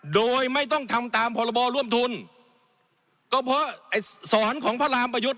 โดยไม่ต้องทำตามพรบร่วมทุนก็เพราะไอ้สอนของพระรามประยุทธ์